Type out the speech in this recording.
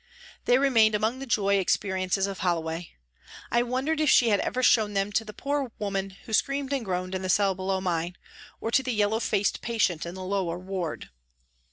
They remained among the joy experiences of Holloway. I wondered if she had ever shown them to the poor woman who screamed and groaned in the cell below mine, or to the yellow faced patient in the lower ward.